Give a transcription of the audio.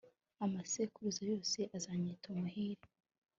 amasekuruza yose azanyita umuhire